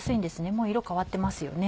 もう色変わってますよね。